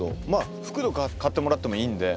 服とか買ってもらってもいいんで。